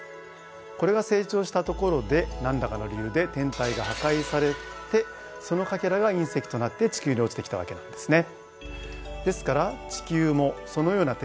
これが成長したところで何らかの理由で天体が破壊されてそのかけらがいん石となって地球に落ちてきたわけなんですね。